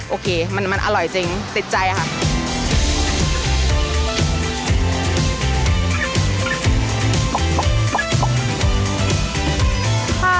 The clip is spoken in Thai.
โอเคมันอร่อยจริงติดใจค่ะ